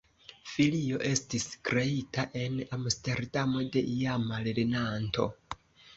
Filio estis kreita en Amsterdamo de iama lernanto.